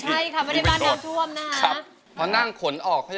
ใช่ค่ะวันในบ้านน้ำถ้วมนะครับ